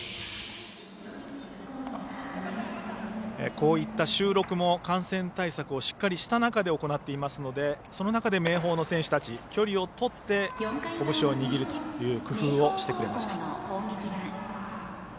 こういった収録も感染対策をしっかりした中で行っていますので、その中で明豊の選手たち、距離をとって拳を握るという工夫をしてくれました。